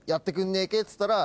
っつったら。